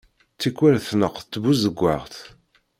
Tikkwal tneqq tbuzeggaɣt.